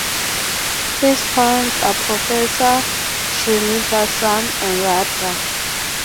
His parents are professor Srinivasan and Radha.